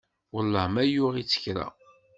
Wellah ma yuɣ-itt kra.